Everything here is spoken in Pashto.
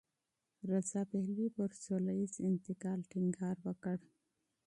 رضا پهلوي پر سولهییز انتقال ټینګار کوي.